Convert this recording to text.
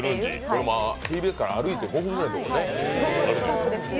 これはＴＢＳから歩いて５分ぐらいのところですね。